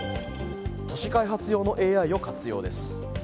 都市開発用のＡＩを活用です。